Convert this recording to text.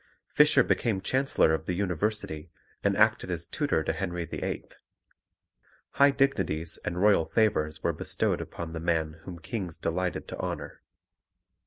Fisher became Chancellor of the University, and acted as tutor to Henry VIII. High dignities and royal favours were bestowed upon the man whom kings delighted to honour.